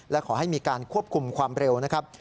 และขอให้มีการควบคุมความเร็วนะครับ